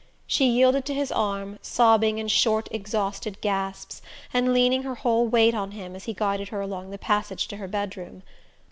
She yielded to his arm, sobbing in short exhausted gasps, and leaning her whole weight on him as he guided her along the passage to her bedroom.